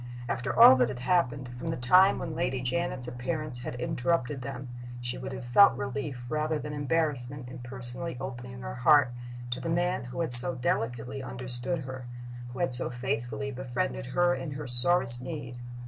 After all that had happened, from the time when Lady Janet's appearance had interrupted them, she would have felt relief rather than embarrassment in personally opening her heart to the man who had so delicately understood her, who had so faithfully befriended her in her sorest need.